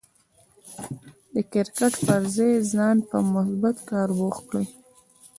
د کرکټ پر ځای ځان په مثبت کار بوخت کړئ.